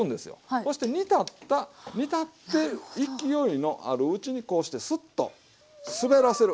そして煮立った煮立って勢いのあるうちにこうしてスッと滑らせる。